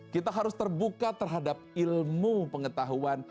kita harus terbuka terhadap ilmu pengetahuan